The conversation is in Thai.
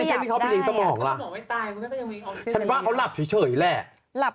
อินดีคิดว่าเขามีตอนต่างไหว